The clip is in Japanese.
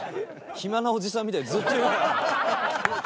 暇なおじさんみたいにずっといようかな。